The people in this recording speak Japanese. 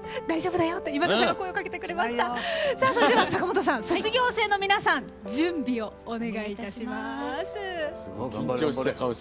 それでは、坂本さん卒業生の皆さん準備をお願いいたします。